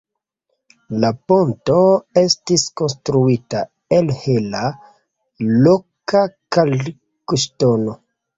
La ponto estis konstruita el hela, loka kalkŝtono.